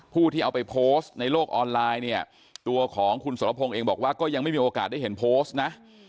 ที่เอาไปโพสต์ในโลกออนไลน์เนี่ยตัวของคุณสรพงศ์เองบอกว่าก็ยังไม่มีโอกาสได้เห็นโพสต์นะ